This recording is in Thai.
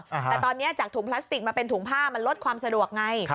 แต่ตอนนี้จากถุงพลาสติกมาเป็นถุงผ้ามันลดความสะดวกไง